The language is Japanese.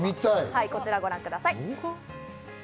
こちらをご覧ください。